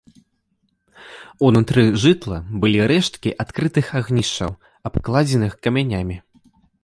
Унутры жытла былі рэшткі адкрытых агнішчаў, абкладзеных камянямі.